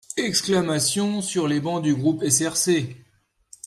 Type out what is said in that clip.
Exclamations sur les bancs du groupe SRC.